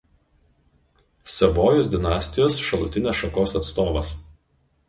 Savojos dinastijos šalutinės šakos atstovas.